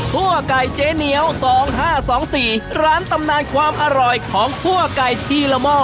ไก่เจ๊เหนียว๒๕๒๔ร้านตำนานความอร่อยของคั่วไก่ทีละหม้อ